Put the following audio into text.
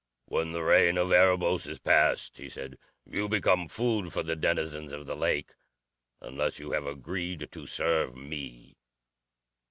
"When the reign of Erebos is past," he said, "you become food for the denizens of the lake, unless you have agreed to serve me."